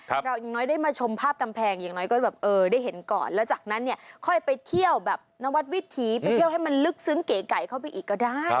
เราอย่างน้อยได้มาชมภาพกำแพงอย่างน้อยก็แบบเออได้เห็นก่อนแล้วจากนั้นเนี่ยค่อยไปเที่ยวแบบนวัดวิถีไปเที่ยวให้มันลึกซึ้งเก๋ไก่เข้าไปอีกก็ได้